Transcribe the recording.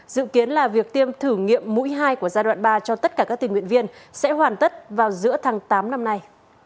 dự kiến là việc tiêm thử nghiệm mũi hai của giai đoạn ba cho tất cả các tình nguyện viên sẽ hoàn tất vào giữa tháng tám năm nay